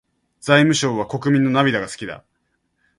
財務省は国民の涙が好きだ。